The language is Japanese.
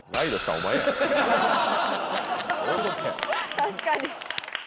確かに。